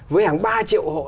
với hàng ba triệu hộ